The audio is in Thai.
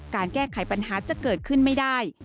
การแก้ไขปัญหาจะเกิดขึ้นไม่ได้